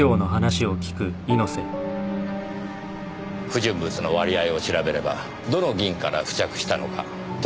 不純物の割合を調べればどの銀から付着したのか特定できます。